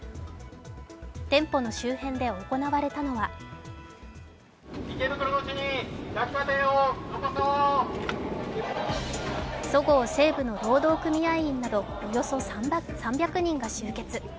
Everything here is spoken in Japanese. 店舗の周辺で行われたのはそごう・西武の労働組合員などおよそ３００人が集結。